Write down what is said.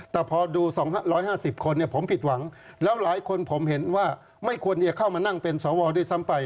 แต่พอดู๒๕๐คนผมผิดหวังแล้วหลายคนผมเห็นว่าไม่ควรจะเข้ามานั่งเป็นสวด้วยซ้ำไป